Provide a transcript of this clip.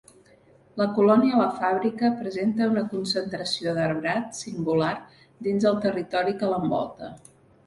La Colònia la Fàbrica presenta una concentració d'arbrat singular dins el territori que l'envolta.